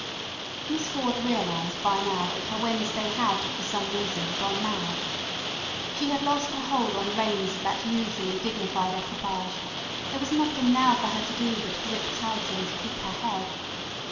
Miss Ford realised by now that her Wednesday had for some reason gone mad. She had lost her hold on the reins of that usually dignified equipage; there was nothing now for her to do but to grip tight and keep her head.